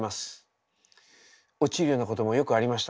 落ちるようなこともよくありました。